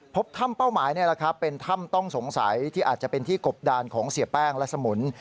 พบถ้ำเป้าหมายนี่แหละครับเป็นถ้ำต้องสงสัยที่อาจจะเป็นที่กบดานของเสียแป้งและสมุน